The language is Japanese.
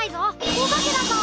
おばけだぞ！